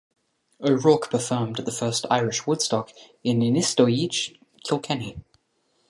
O'Rourke performed at the first Irish Woodstock in Inistioge, Kilkenny.